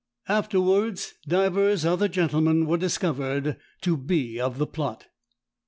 Afterwards, divers other gentlemen were discovered to be of the plot."